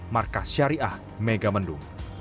markas syariah megamendung